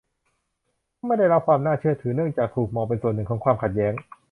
ไม่ได้รับความน่าเชื่อถือ เนื่องจากถูกมองเป็นส่วนหนึ่งของความขัดแย้ง